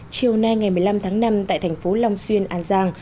chiều nay ngày một mươi năm tháng năm tại thành phố long xuyên an giang